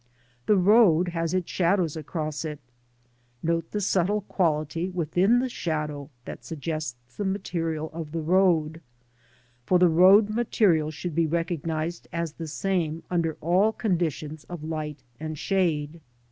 The road has its shadows across it. Note the subtle quality within the shadow that suggests the material of the road, for the road material should be recognised as the same under all conditions of light and shade.